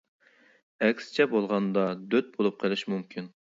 ئەكسىچە بولغاندا، دۆت بولۇپ قېلىشى مۇمكىن.